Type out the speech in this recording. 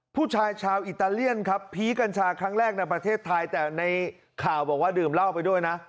ผู้ชายชาวอิตาเลียนครับผีกัญชาครั้งแรกในประเทศไทยแต่ในข่าวบอกว่าดื่มเหล้าไปด้วยนะ